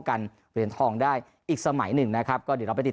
เหรียญทองได้อีกสมัยหนึ่งนะครับก็เดี๋ยวเราไปติด